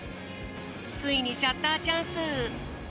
ついにシャッターチャンス。